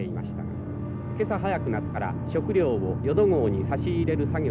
「今朝早くなったら食料をよど号に差し入れる作業が始まりました」。